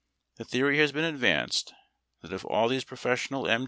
The theory has been advanced that if all of these professional m.